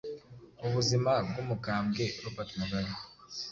Ubuzima bw’umukambwe Robert Mugabe,